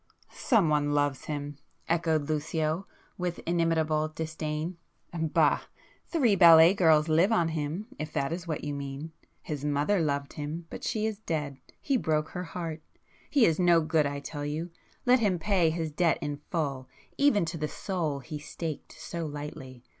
"Some one loves him!" echoed Lucio with inimitable disdain—"Bah! Three ballet girls live on him if that is what you mean. His mother loved him,—but she is dead,—he broke her heart. He is no good I tell you,—let him pay his debt in full, even to the soul he staked so lightly.